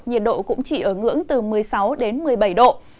nhiệt độ cũng chỉ ở ngưỡng từ một mươi sáu đến một mươi bảy độ